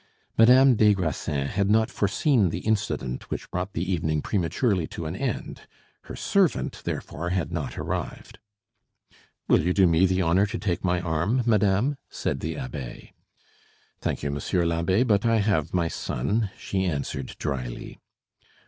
Madame des Grassins had not foreseen the incident which brought the evening prematurely to an end, her servant therefore had not arrived. "Will you do me the honor to take my arm, madame?" said the abbe. "Thank you, monsieur l'abbe, but I have my son," she answered dryly.